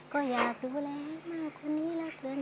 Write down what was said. ก็อยากดูแลให้มากกว่านี้เหลือเกิน